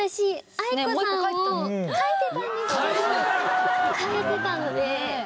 ａｉｋｏさんも書いてたんですけど変えてたので。